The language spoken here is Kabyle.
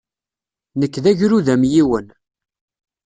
Nekk d agrud amyiwen.